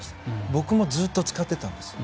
僕も、ずっと使ってたんです。